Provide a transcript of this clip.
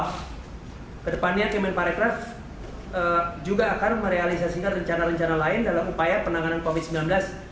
kedepannya kemen parekraf juga akan merealisasikan rencana rencana lain dalam upaya penanganan covid sembilan belas